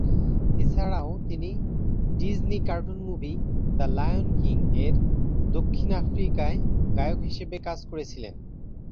এছাড়াও তিনি Disney cartoon movie "The Lion King" এর দক্ষিণ আফ্রিকায় গায়ক হিসেবে কাজ করেছিলেন।